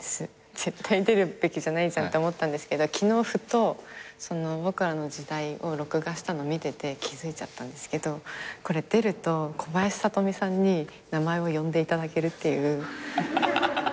絶対出るべきじゃないじゃんって思ったんですけど昨日ふと『ボクらの時代』を録画したの見てて気付いちゃったんですけどこれ出ると小林聡美さんに名前をよんでいただけるっていう。